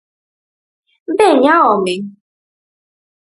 Veña, home!